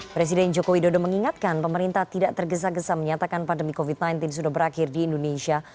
presiden joko widodo mengingatkan pemerintah tidak tergesa gesa menyatakan pandemi covid sembilan belas sudah berakhir di indonesia